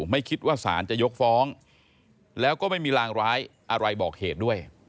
ไม่คิดว่าสารจะยกฟ้องแล้วก็ไม่มีรางร้ายอะไรบอกเหตุด้วย